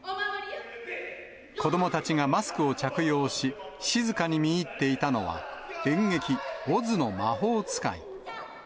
子どもたちがマスクを着用し、静かに見入っていたのは、演劇、オズの魔法使い。